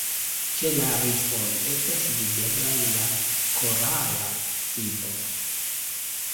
Ĉe la rifoj estas videblaj la korala vivo.